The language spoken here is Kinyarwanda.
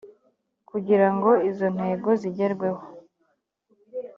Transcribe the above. kugira ngo izo ntego zigerweho